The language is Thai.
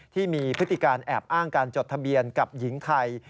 ที่มีพฤติการแอบอ้างการจดทะเบียนกับหญิงไทย